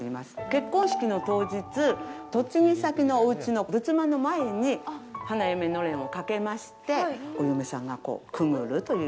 結婚式の当日嫁ぎ先のおうちの仏間の前に花嫁のれんをかけましてお嫁さんがくぐるという。